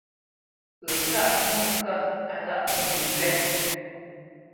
Pə́ ghâʼ mwô kə́, á ghâʼ mwô məŋgywá.